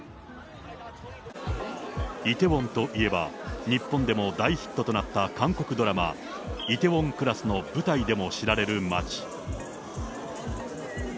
梨泰院といえば、日本でも大ヒットとなった韓国ドラマ、梨泰院クラスの舞台でも知られる街。